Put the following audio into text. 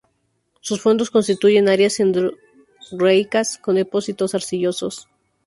Sus fondos constituyen áreas endorreicas con depósitos arcillosos.